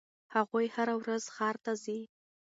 هغوی هره ورځ ښار ته ځي.